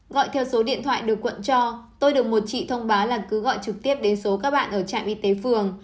gọi theo số điện thoại được quận cho tôi được một chị thông báo là cứ gọi trực tiếp đến số các bạn ở trạm y tế phường